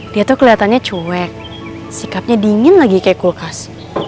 dia tuh kelihatannya cuek sikapnya dingin lagi kayak kulkas